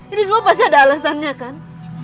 ini semua pasti ada alasannya kan